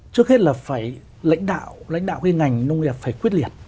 trước hết là phải lãnh đạo lãnh đạo cái ngành nông nghiệp phải quyết liệt